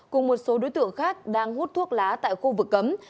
cùng một số đối tượng khác đang hút thuốc lá tại khu vực cấm